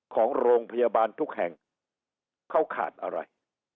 ของโรงพยาบาลทุกแห่งเขาขาดอะไร